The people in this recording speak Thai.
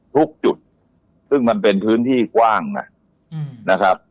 ทุกจุดซึ่งมันเป็นพื้นที่กว้างนะครับ